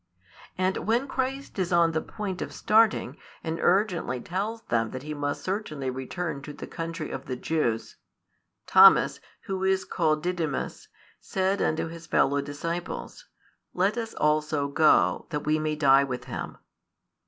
And when Christ is on the point of starting, and urgently tells them that He must certainly return to the country of the Jews, Thomas, who is called Didymus, said unto his fellow disciples, Let us also go, that we may die with Him.